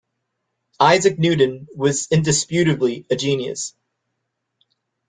Isaac Newton was indisputably a genius.